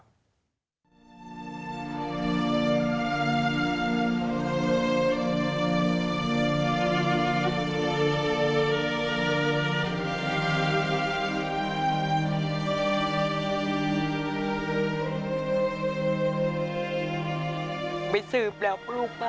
มันเสียใจไงว่าเรื่องมันมันไม่ใช่เรื่องของลูกเรา